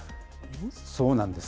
そうなんです。